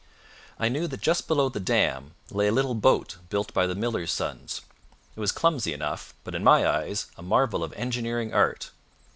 I knew that just below the dam lay a little boat built by the miller's sons. It was clumsy enough, but in my eyes a marvel of engineering art.